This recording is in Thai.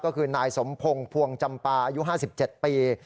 ก็คือนายสมพงศ์ภวงจำปาอายุ๕๗ปี